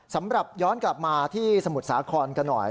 สำหรับย้อนกลับมาที่สมุทรสาครกันหน่อย